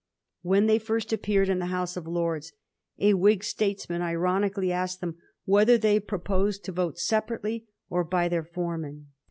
When they first appeared in the House of Lords, a Whig statesman ironically asked them whether they pro posed to vote separately or by their foreman